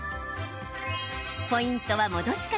ポイントは戻し方。